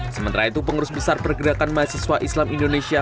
sementara itu pengurus besar pergerakan mahasiswa islam indonesia